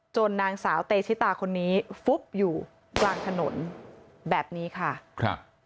นางสาวเตชิตาคนนี้ฟุบอยู่กลางถนนแบบนี้ค่ะครับ